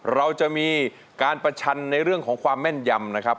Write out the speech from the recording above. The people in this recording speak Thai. เราจะมีการประชันในเรื่องของความแม่นยำนะครับ